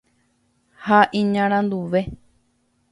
ha iñaranduve